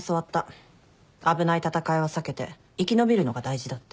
危ない戦いは避けて生き延びるのが大事だって。